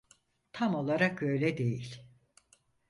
Tam olarak öyle değil.